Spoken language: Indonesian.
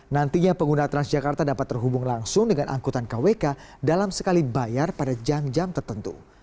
nantinya pengguna transjakarta dapat terhubung langsung dengan angkutan kwk dalam sekali bayar pada jam jam tertentu